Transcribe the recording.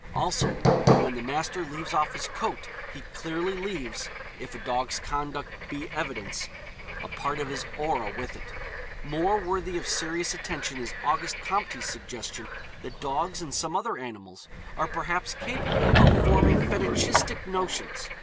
Also, that when the master leaves off his coat he clearly leaves if a dog's conduct be evidence a part of his aura with it. More worthy of serious attention is August Comte's suggestion that dogs and some other animals are perhaps capable of forming fetichistic notions.